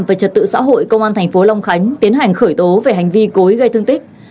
về trật tự xã hội công an thành phố long khánh tiến hành khởi tố về hành vi cối gây thương tích